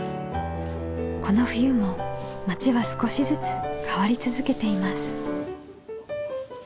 この冬も町は少しずつ変わり続けています。